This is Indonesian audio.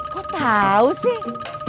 kok tau sih